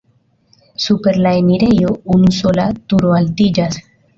Super la enirejo unusola turo altiĝas.